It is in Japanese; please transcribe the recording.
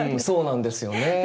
そうなんですよね。